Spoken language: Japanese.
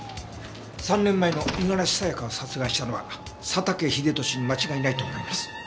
３年前の五十嵐さやかを殺害したのは佐竹英利に間違いないと思います。